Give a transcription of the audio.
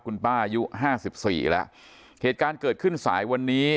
คุณป้าอายุห้าสิบสี่แล้วเหตุการณ์เกิดขึ้นสายวันนี้